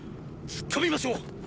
突っ込みましょう！